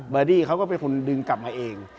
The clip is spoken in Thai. อดี้เขาก็เป็นคนดึงกลับมาเอง